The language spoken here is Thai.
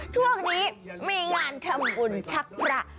ช่วงนี้มีงานทำบุญชักพระ